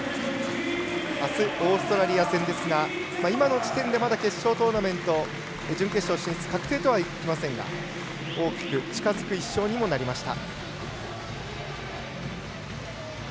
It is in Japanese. あす、オーストラリア戦ですが今の時点で決勝トーナメント準決勝進出確定とはいえませんが大きく近づく１勝にもなりました。